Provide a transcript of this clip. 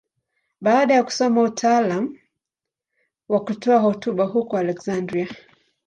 Baada ya kusoma utaalamu wa kutoa hotuba huko Aleksandria.